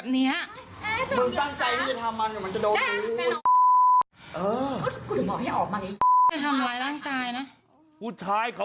คุณสมัครค่ะคุณสมัครค่ะ